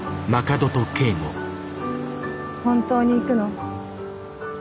本当に行くの？